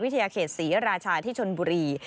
วิทยาเขตหราชาที่ชนบุรี